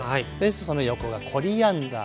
その横がコリアンダー。